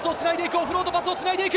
オフロードパスをつないでいく。